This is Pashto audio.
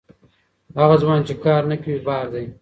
هغه ځوان چې کار نه کوي، بار دی.